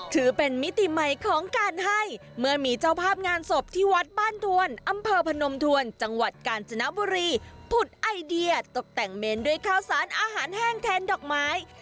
ถือเป็นมิติใหม่ของการให้เมื่อมีเจ้าภาพงานศพที่วัดบ้านทวนอำเภอพนมทวนจังหวัดกาญจนบุรีผุดไอเดียตกแต่งเมนด้วยข้าวสารอาหารแห้งแทนดอกไม้